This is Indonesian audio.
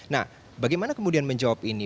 nah bagaimana kemudian menjawab ini